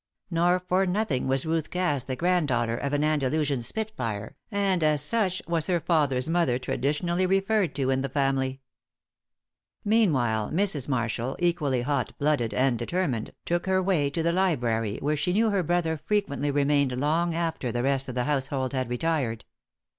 Nor for nothing was Ruth Cass the granddaughter of an Andalusian spit fire, and as such was her father's mother traditionally referred to in the family. Meanwhile, Mrs. Marshall, equally hot blooded and determined, took her way to the library where she knew her brother frequently remained long after the rest of the household had retired.